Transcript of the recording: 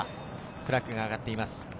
フラッグが上がっています。